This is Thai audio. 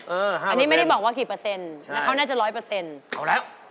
อือ๕อันนี้ไม่ได้บอกว่ากี่เปอร์เซ็นต์แล้วเขาน่าจะ๑๐๐ใช่เอาแล้ว